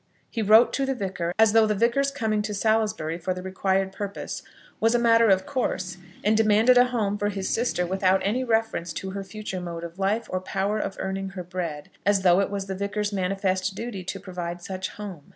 He wrote to the Vicar as though the Vicar's coming to Salisbury for the required purpose was a matter of course; and demanded a home for his sister without any reference to her future mode of life, or power of earning her bread, as though it was the Vicar's manifest duty to provide such home.